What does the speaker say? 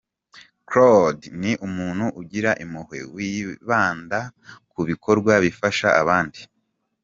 Claude, ni umuntu ugira impuhwe, wibanda ku bikorwa bifasha abandi.